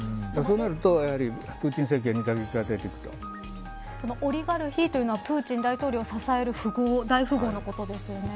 そうなるとプーチン政権にオリガルヒというのはプーチン大統領を支える大富豪のことですよね。